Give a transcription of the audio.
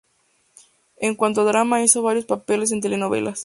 En cuanto a drama hizo varios papeles en telenovelas.